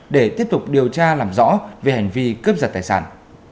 để tiếp tục điều tra làm rõ về hành vi cướp giật tài sản